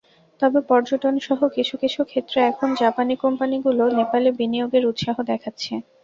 তবে পর্যটনসহ কিছু কিছু ক্ষেত্রে এখন জাপানি কোম্পানিগুলো নেপালে বিনিয়োগের উৎসাহ দেখাচ্ছে।